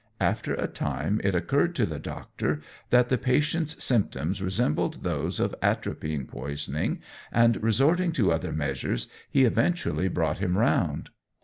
After a time it occurred to the doctor that the patient's symptoms resembled those of atropine poisoning, and, resorting to other measures, he eventually brought him round.